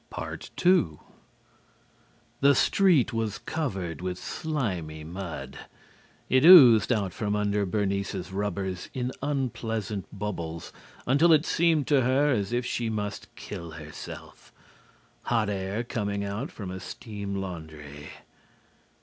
PART 2 The street was covered with slimy mud. It oozed out from under Bernice's rubbers in unpleasant bubbles until it seemed to her as if she must kill herself. Hot air coming out from a steam laundry.